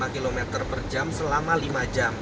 lima puluh lima km per jam selama lima jam